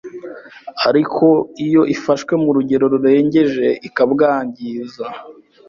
ariko iyo ifashwe mu rugero rurengeje ikabwangiza